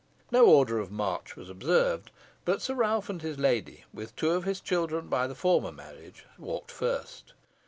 No order of march was observed, but Sir Ralph and his lady, with two of his children by the former marriage, walked first.